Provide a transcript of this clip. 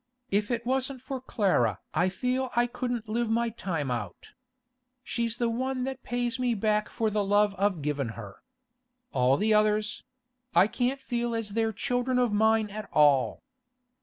If it wasn't for Clara I feel I couldn't live my time out. She's the one that pays me back for the love I've given her. All the others—I can't feel as they're children of mine at all.